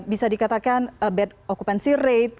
bisa dikatakan bad occupancy rate